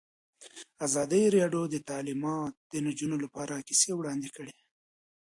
ازادي راډیو د تعلیمات د نجونو لپاره کیسې وړاندې کړي.